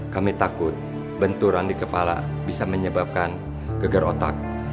kami takut benturan di kepala bisa menyebabkan geger otak